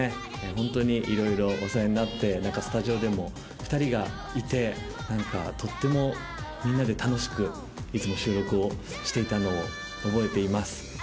ホントに色々お世話になって何かスタジオでも２人がいてとってもみんなで楽しくいつも収録をしていたのを覚えています。